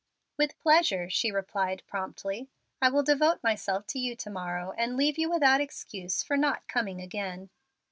"With pleasure," she replied, promptly. "I will devote myself to you to morrow, and leave you without excuse for not coming again."